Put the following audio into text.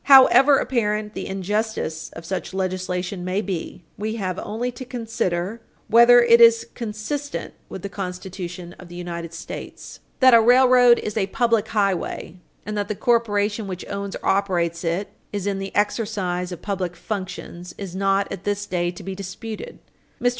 However apparent the injustice of such legislation may be, we have only to consider whether it is consistent with the Constitution of the United States. That a railroad is a public highway, and that the corporation which owns or operates it is in the exercise of public functions, is not, at this day, to be disputed. Mr.